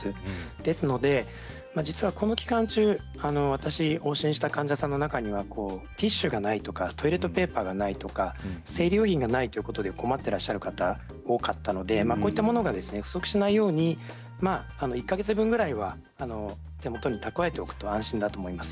ですので実はこの期間中私、往診した患者さんの中にはティッシュがないトイレットペーパーがない生理用品がないということで困ってらっしゃる方が多かったのでこういったものが不足しないように１か月分ぐらいは手元に蓄えておくと安心だと思います。